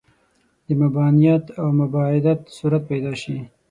د مباینت او مباعدت صورت پیدا شي.